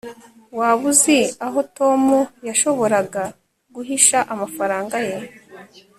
waba uzi aho tom yashoboraga guhisha amafaranga ye